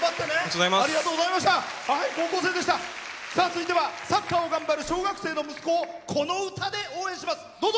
続いてはサッカーを頑張る小学生の息子をこの歌で応援します。